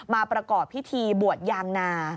ประกอบพิธีบวชยางนา